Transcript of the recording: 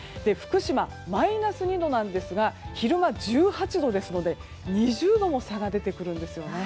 福島、マイナス２度なんですが昼間は１８度ですので２０度も差が出てくるんです。